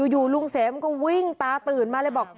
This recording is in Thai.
อยู่ลุงเสมมันก็วิ่งตาตื่นมาแล้วบอก